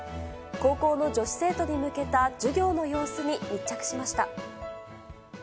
高校の女子生徒に向けた授業の様子に密着しました。